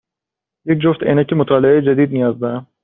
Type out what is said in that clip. یک جفت عینک مطالعه جدید نیاز دارم.